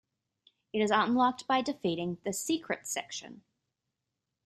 It is unlocked by defeating the 'Secrets' section.